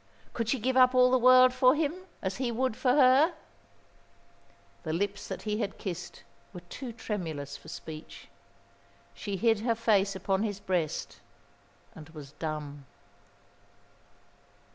Could she give up all the world for him, as he would for her? The lips that he had kissed were too tremulous for speech. She hid her face upon his breast, and was dumb.